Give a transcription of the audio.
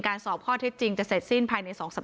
สอบข้อเท็จจริงจะเสร็จสิ้นภายใน๒๓